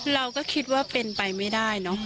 เราก็คิดว่าเป็นไปไม่ได้เนอะ